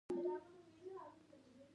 خو بيا مې د ځينې ملګرو پۀ وېنا بحال کړۀ -